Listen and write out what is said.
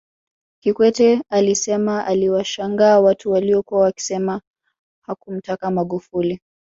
Kikwete alisema aliwashangaa watu waliokuwa wakisema hakumtaka Magufuli